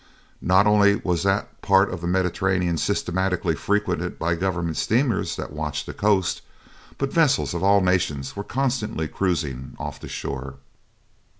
Not only was that part of the Mediterranean systematically frequented by the government steamers that watched the coast, but vessels of all nations were constantly cruising off the shore.